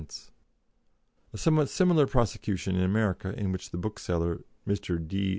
A somewhat similar prosecution in America, in which the bookseller, Mr. D.